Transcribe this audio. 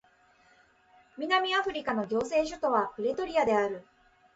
南アフリカの行政首都はプレトリアである